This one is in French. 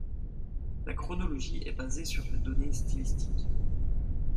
La chronologie est basée sur des données stylistiques.